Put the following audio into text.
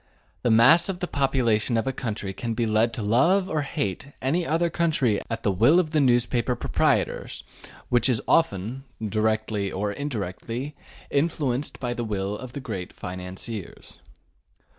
The mass of the population of a country can be led to love or hate any other country at the will of the newspaper proprietors, which is often, directly or indirectly, influenced by the will of the great financiers.